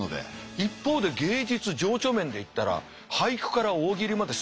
一方で芸術情緒面でいったら俳句から大喜利まですごいじゃないですか。